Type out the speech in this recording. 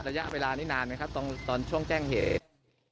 ระยะเวลานี้นานไหมครับตอนช่วงแจ้งเหตุ